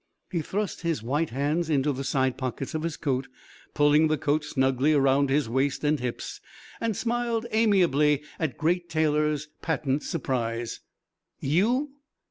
He thrust his white hands into the side pockets of his coat, pulling the coat snugly around his waist and hips, and smiled amiably at Great Taylor's patent surprise. "You!....